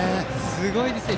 すごいですね。